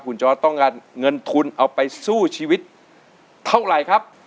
คุณจอร์ดต้องการเงินทุนเอาไปสู้ชีวิตเท่าไหร่ครับ